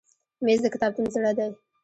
مېز د کتابتون زړه دی.